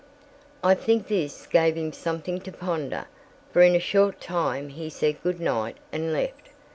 I think this gave him something to ponder, for in a short time he said good night and left.